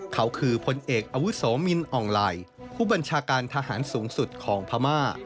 เขาคือพลเอกอาวุโสมินอ่องไหล่ผู้บัญชาการทหารสูงสุดของพม่า